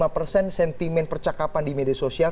tujuh puluh lima persen sentimen percakapan di media sosial